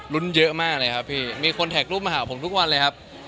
เยอะมากเลยครับพี่มีคนแท็กรูปมาหาผมทุกวันเลยครับ